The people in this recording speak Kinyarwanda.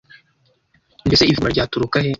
Mbese ivugurura ryaturuka he?